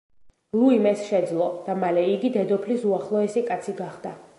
ლუიმ ეს შესძლო და მალე იგი დედოფლის უახლოესი კაცი გახდა.